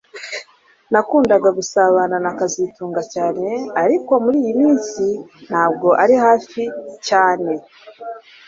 Nakundaga gusabana na kazitunga cyane ariko muriyi minsi ntabwo ari hafi cyane